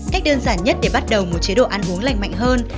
cách đơn giản nhất để bắt đầu một chế độ ăn uống lành mạnh hơn